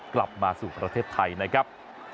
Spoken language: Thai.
กลับมาสู่ประเทศไทยนะครับ